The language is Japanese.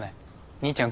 兄ちゃん